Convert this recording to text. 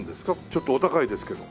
ちょっとお高いですけど。